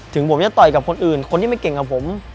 ถึงผมจะต่อยกับคนอื่นคนที่ไม่เก่งกับผม